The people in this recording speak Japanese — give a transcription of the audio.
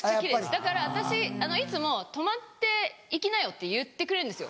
いつも泊まって行きなよって言ってくれるんですよ。